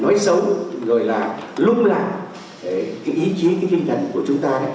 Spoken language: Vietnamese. nói xấu rồi là lung lạc cái ý chí cái tinh thần của chúng ta